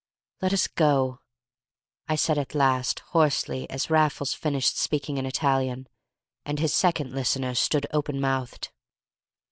"Let us go," I at last said, hoarsely, as Raffles finished speaking in Italian, and his second listener stood open mouthed.